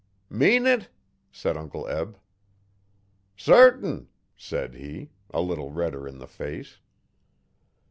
'Mean it?' said Uncle Eb. 'Sartin,' said he, a little redder in the face.